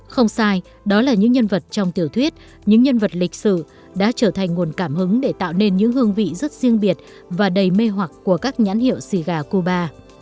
không sai đó là những nhân vật trong tiểu thuyết những nhân vật lịch sử đã trở thành nguồn cảm hứng để tạo nên những hương vị rất riêng biệt và đầy mê hoặc của các nhãn hiệu xì gà cuba